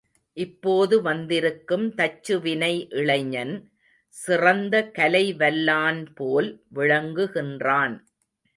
இப்போது வந்திருக்கும் தச்சுவினை இளைஞன், சிறந்த கலை வல்லான்போல் விளங்குகின்றான்.